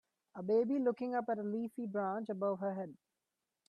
A baby looking up at a leafy branch above her head.